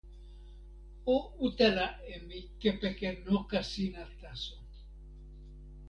o utala e mi kepeken noka sina taso.